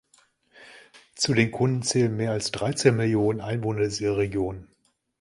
Zu den Kunden zählen mehr als dreizehn Millionen Einwohner dieser Region.